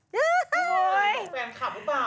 อ๋อคิดถึงผู้ฝากแฟนคับหรือเปล่า